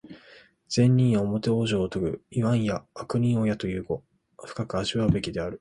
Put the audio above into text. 善人なおもて往生をとぐ、いわんや悪人をやという語、深く味わうべきである。